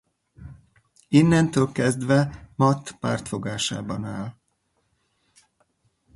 Innentől kezdve Matt pártfogásában áll.